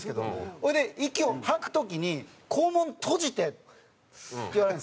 ほいで息を吐く時に「肛門閉じて」って言われるんですよ。